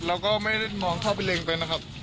เราก็ไม่ได้มองเข้าไปเล็งไปนะครับ